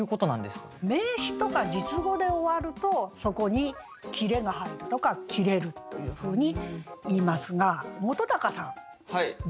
名詞とか述語で終わるとそこに切れが入るとか切れるというふうにいいますが本さん述語って知ってますよね？